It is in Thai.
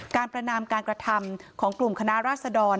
ประนามการกระทำของกลุ่มคณะราษดร